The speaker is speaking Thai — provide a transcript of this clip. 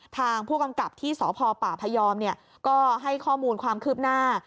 ทางผู้กำกับที่สพปพยอมก็ให้ข้อมูลความคืบหน้า